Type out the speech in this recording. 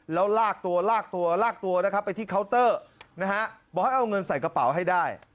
แล้วลากตัวลากตัวลากตัวนะครับไปที่เคาน์เตอร์นะฮะบอกให้เอาเงินใส่กระเป๋าให้ได้